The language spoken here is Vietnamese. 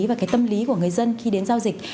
về tâm lý của người dân khi đến giao dịch